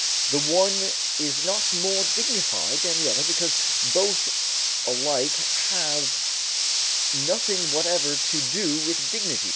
The one is not more dignified than the other because both alike have nothing whatever to do with dignity.